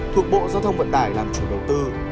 thuộc bộ giao thông vận tải làm chủ đầu tư